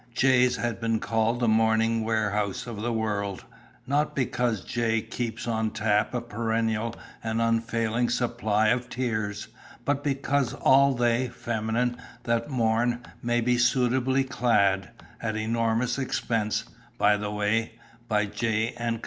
Jay's has been called the "mourning warehouse" of the world, not because Jay keeps on tap a perennial and unfailing supply of tears, but because "all they (feminine) that mourn" may be suitably clad at enormous expense, by the way by Jay and Co.